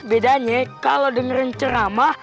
bedanya kalau dengerin ceramah